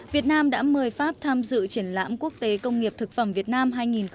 việt nam đã mời pháp tham dự triển lãm quốc tế công nghiệp thực phẩm việt nam hai nghìn một mươi chín